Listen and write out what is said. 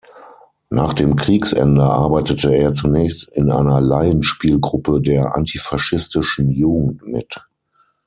Nach dem Kriegsende arbeitete er zunächst in einer Laienspielgruppe der "Antifaschistischen Jugend" mit.